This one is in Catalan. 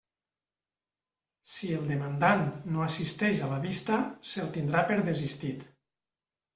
Si el demandant no assisteix a la vista, se'l tindrà per desistit.